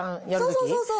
そうそうそうそう。